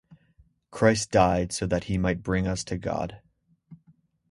Christ died so that he might bring us to God.